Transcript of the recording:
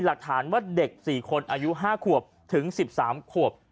หลักฐานว่าเด็ก๔คนอายุ๕ขวบถึง๑๓ขวบ